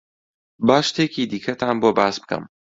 با شتێکی دیکەتان بۆ باس بکەم.